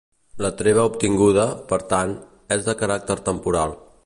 La treva obtinguda, per tant, és de caràcter temporal.